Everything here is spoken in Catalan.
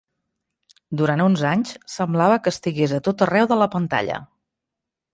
Durant uns anys semblava que estigués a tot arreu de la pantalla.